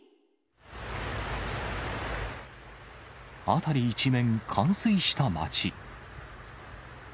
辺り一面、冠水した町。